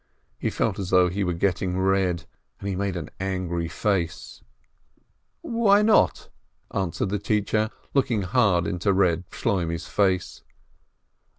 He felt as though he were getting red, and he made a very angry face. "Why not?" answered the teacher, looking hard into Eeb Shloimeh's face.